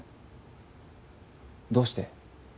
どうして？